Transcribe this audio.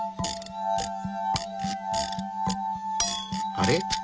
あれ？